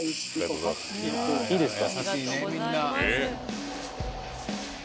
いいですか。